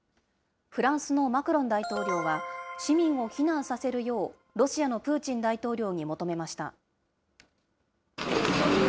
フランスのマクロン大統領は、市民を避難させるよう、ロシアのプーチン大統領に求めました。